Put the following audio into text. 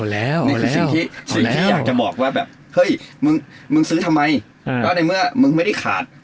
นี่คือสิ่งที่อยากจะบอกว่าแบบเฮ้ยมึงซื้อทำไมก็ในเมื่อมึงไม่ได้ขาด